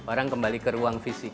orang kembali ke ruang fisik